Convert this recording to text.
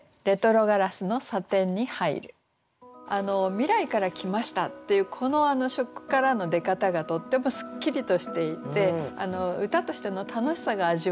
「未来から来ました、」っていうこの初句からの出方がとってもすっきりとしていて歌としての楽しさが味わえるんですよね。